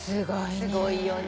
すごいよね。